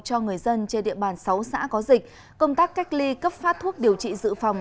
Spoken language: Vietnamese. cho người dân trên địa bàn sáu xã có dịch công tác cách ly cấp phát thuốc điều trị dự phòng